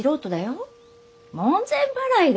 門前払いだよ。